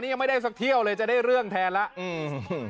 ยังไม่ได้สักเที่ยวเลยจะได้เรื่องแทนแล้วอืม